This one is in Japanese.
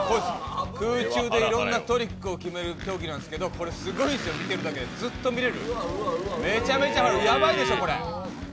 空中でいろんなトリックを決める競技なんですけどこれすごいですよ、見てるだけで、ずっと見れる、めちゃめちゃ、ヤバいでしょう？